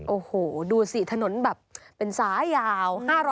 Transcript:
โอ้โหดูสิถนนแบบเป็นซ้ายยาว๕๐๐